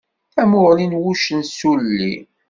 Tamuɣli n wuccen s ulli.